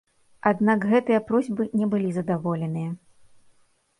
Аднак гэтыя просьбы не былі задаволеныя.